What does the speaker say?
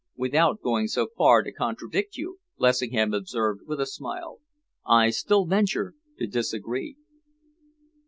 "Without going so far as to contradict you," Lessingham observed, with a smile, "I still venture to disagree!"